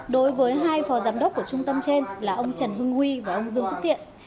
đối với hai phò giám đốc của trung tâm trên là ông trần hưng huy và ông dương quốc thiện